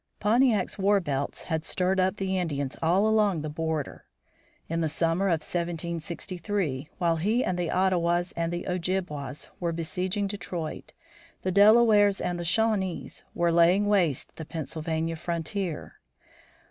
Pontiac's war belts had stirred up the Indians all along the border. In the summer of 1763, while he and the Ottawas and Ojibwas were besieging Detroit, the Delawares and Shawnees were laying waste the Pennsylvania frontier.